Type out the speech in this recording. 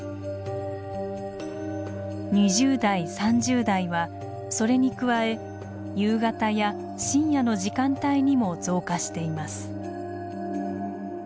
２０代３０代はそれに加え夕方や深夜の時間帯にも増加しています。